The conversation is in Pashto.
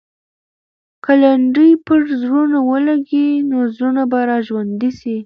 که لنډۍ پر زړونو ولګي، نو زړونه به راژوندي سي.